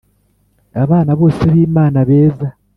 abana bose b'imana beza